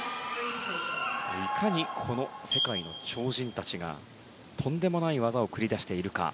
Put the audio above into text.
いかに、この世界の超人たちがとんでもない技を繰り出しているか。